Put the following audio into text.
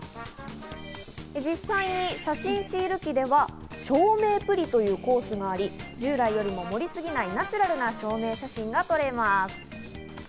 実際に写真シール機では、証明プリというコースがあり、従来の盛りすぎないナチュラルな証明写真が撮れます。